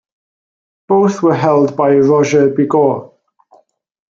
Both were held by Roger Bigot.